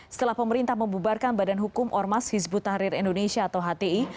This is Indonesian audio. setelah pemerintah membubarkan badan hukum ormas hizbut tahrir indonesia atau hti